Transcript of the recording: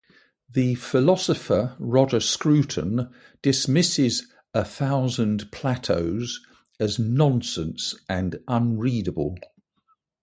The philosopher Roger Scruton dismisses "A Thousand Plateaus" as "nonsense" and "unreadable".